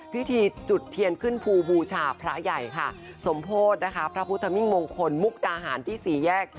พิธีจุดเทียนขึ้นภูบูชาพระใหญ่ค่ะสมโพธินะคะพระพุทธมิ่งมงคลมุกดาหารที่สี่แยก